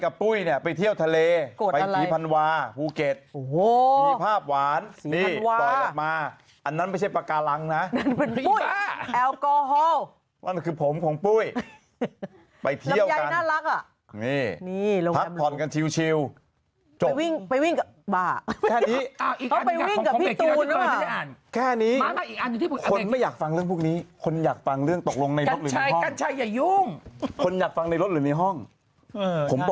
อ่ะนุ่มนุ่มนุ่มนุ่มนุ่มนุ่มนุ่มนุ่มนุ่มนุ่มนุ่มนุ่มนุ่มนุ่มนุ่มนุ่มนุ่มนุ่มนุ่มนุ่มนุ่มนุ่มนุ่มนุ่มนุ่มนุ่มนุ่มนุ่มนุ่มนุ่มนุ่มนุ่มนุ่มนุ่มนุ่มนุ่มนุ่มนุ่มนุ่มนุ่มนุ่มนุ่มนุ่มนุ่ม